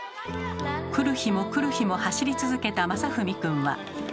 来る日も来る日も走り続けたまさふみくんは。